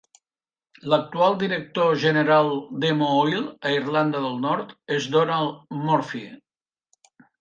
L'actual director general d'Emo Oil a Irlanda del Nord és Donal Murphy.